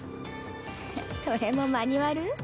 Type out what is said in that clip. それもマニュアル？